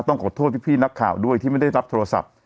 ต้องขอโทษพี่นักข่าวด้วยที่ไม่ได้รับโทรศัพท์